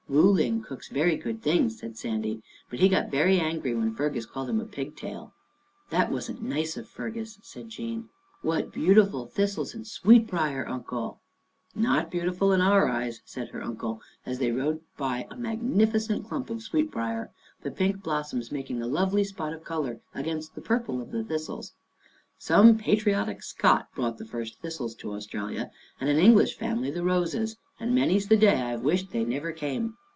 " Wu Ling cooks very good things," said Sandy. " But he got very angry when Fergus called him ' pig tail.' "" That wasn't nice of Fergus," said Jean. " What beautiful thistles and sweet briar, Uncle." " Not beautiful in our eyes," said her uncle, as they rode by a magnificent clump of sweet briar, the pink blossoms making a lovely spot of colour against the purple of the thistles. " Some patriotic Scot brought the first thistles to Australia, and an English family the roses, and many's the day I have wished they never came.